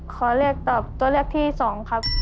ขอเรียกตอบตัวเลือกที่สองครับ